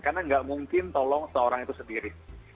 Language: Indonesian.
karena gak mungkin tolong seorang itu sendiri